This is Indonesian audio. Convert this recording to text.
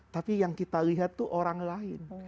tapi yang kita lihat tuh orang lain